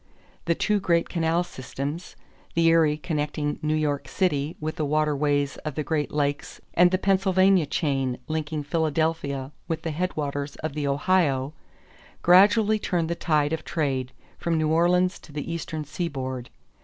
The two great canal systems the Erie connecting New York City with the waterways of the Great Lakes and the Pennsylvania chain linking Philadelphia with the headwaters of the Ohio gradually turned the tide of trade from New Orleans to the Eastern seaboard.